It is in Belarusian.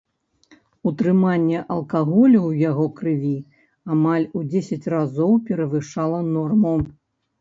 Утрыманне алкаголю ў яго крыві амаль у дзесяць разоў перавышала норму.